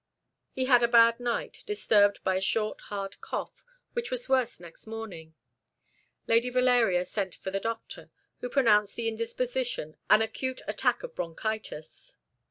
He had a bad night, disturbed by a short, hard cough, which was worse next morning. Lady Valeria sent for the doctor, who pronounced the indisposition an acute attack of bronchitis.